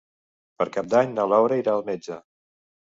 Per Cap d'Any na Laura irà al metge.